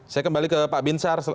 saya kembali ke pak binsar